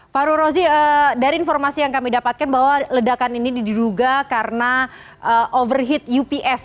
fahru rozi dari informasi yang kami dapatkan bahwa ledakan ini diduga karena overheat ups